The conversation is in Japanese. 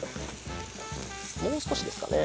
もう少しですかね。